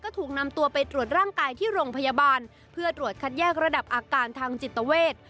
ถูกนำตัวไปตรวจร่างกายที่โรงพยาบาลเพื่อตรวจคัดแยกระดับอาการทางจิตเวท